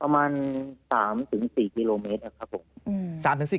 ประมาณ๓๔กิโลเมตรนะครับผม